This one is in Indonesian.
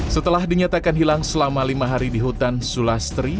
setelah dinyatakan hilang selama lima hari di hutan sulastri